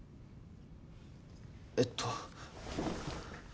えっと。